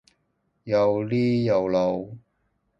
又呢又路？